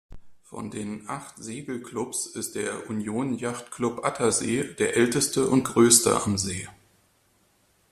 Von den acht Segelclubs ist der Union-Yacht-Club Attersee der älteste und größte am See.